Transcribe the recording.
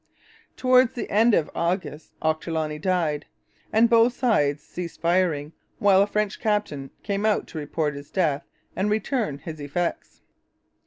Towards the end of August Ochterloney died; and both sides ceased firing while a French captain came out to report his death and return his effects.